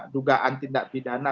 dugaan tindak pidana